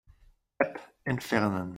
App entfernen.